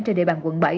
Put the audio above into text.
trên địa bàn quận bảy